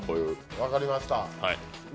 分かりました。